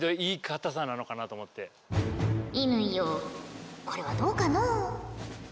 乾よこれはどうかのう？